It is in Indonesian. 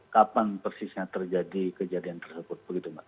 kapan persisnya terjadi kejadian tersebut